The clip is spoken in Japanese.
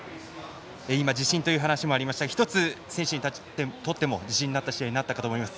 今、自信という話もありましたが１つ、選手たちにとっても自信になった試合になったかと思います。